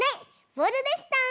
ボールでした。